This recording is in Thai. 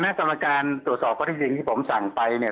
คณะสำรรคารณ์ตรวจสอบก็ที่จริงที่ผมสั่งไปเนี่ย